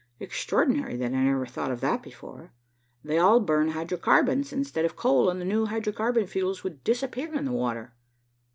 Extraordinary that I never thought of that before. They all burn hydrocarbons instead of coal, and the new hydrocarbon fuels would disappear in the water.